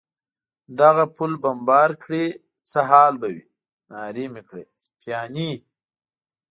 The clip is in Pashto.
دغه پل بمبار کړي، څه حال به وي؟ نارې مې کړې: پیاني.